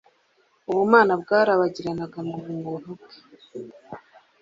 Ubumana bwarabagiranaga mu bumuntu bwe,